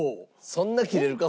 そんな切れるか？